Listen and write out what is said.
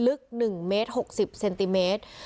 ลึกหนึ่งเมตรหกสิบเซนติเมตร